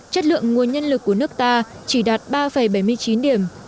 chất lượng nguồn nhân lực của nước ta chỉ đạt ba bảy mươi chín điểm